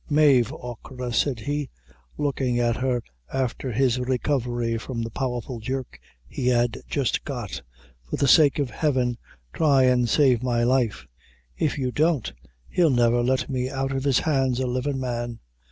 "Mave, achora," said he, looking at her after his recovery from the powerful jerk he had just got, "for the sake of heaven, try an' save my life; if you don't he'll never let me out of his hands a livin' man."